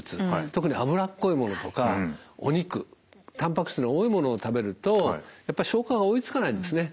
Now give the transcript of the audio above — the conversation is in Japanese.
特に脂っこいものとかお肉たんぱく質の多いものを食べるとやっぱ消化が追いつかないんですね。